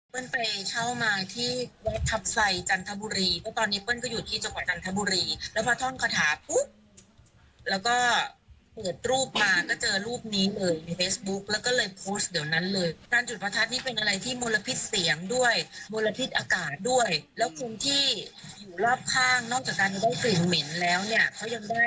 ทันเสียงที่มันดังขึ้นมันคือมลพิษล้วนนะครับ